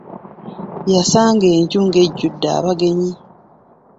Yasanga enju ng’ejjudde abagenyi.